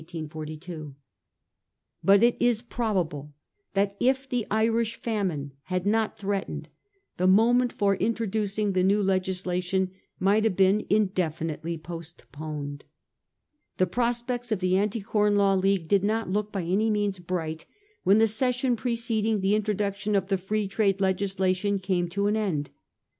But it is probable that if the Irish famine had not threatened, the moment for introducing the new le gislation might have been indefinitely postponed. The prospects of the Anti Com Law League did not look by any means bright when the session preceding the introduction of the Free Trade legislation came to an end.